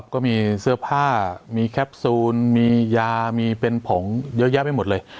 ก็มีเสื้อผ้ามีแคปซูลมียามีเป็นผงเยอะแยะไปหมดเลย